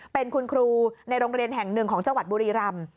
เป็นคุณครูในโรงเรียนแห่งหนึ่งของจังหวัดบุรีรำ